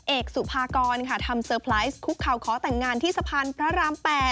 เอกสุภากรค่ะทำเตอร์ไพรส์คุกเข่าขอแต่งงานที่สะพานพระราม๘